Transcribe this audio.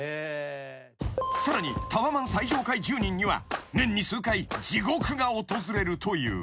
［さらにタワマン最上階住人には年に数回地獄が訪れるという。